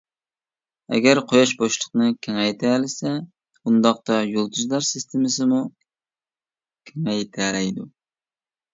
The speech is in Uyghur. ئەگەر قۇياش بوشلۇقنى كېڭەيتەلىسە، ئۇنداقتا يۇلتۇزلار سىستېمىسىمۇ كېڭەيتەلەيدۇ.